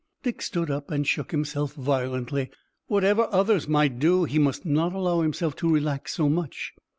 Dick stood up and shook himself violently. Whatever others might do he must not allow himself to relax so much.